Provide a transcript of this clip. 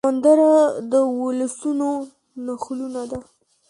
سندره د ولسونو نښلونه ده